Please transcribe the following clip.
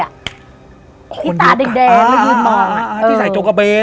ที่ตาแดงมายืนมอง